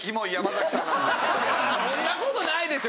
そんなことないでしょ！